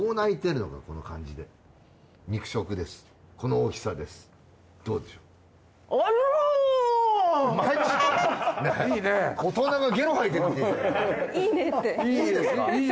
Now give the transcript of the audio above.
いいですか？